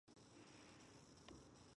The Polish subsidiary Primo Profile Sp.